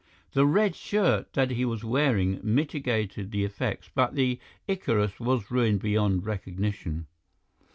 The red shirt that he was wearing mitigated the effects, but the Icarus was ruined beyond recognition.